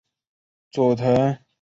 佐藤麻美服务。